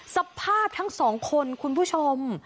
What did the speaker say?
สภาพทั้งสองคนคุณผู้ชม